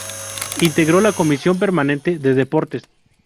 Integró la comisión permanente de Deportes.